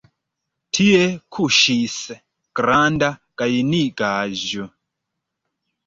Tie kuŝis granda gajnigaĵo.